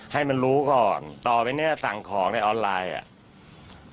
ให้มันรู้ก่อนต่อไปเนี่ยสั่งของในออนไลน์อ่ะ